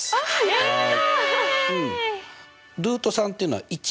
やった！